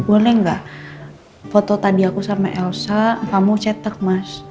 boleh nggak foto tadi aku sama elsa kamu cetak mas